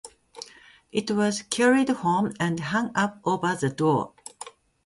It was carried home and hung up over the door.